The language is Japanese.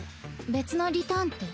別のリターンって？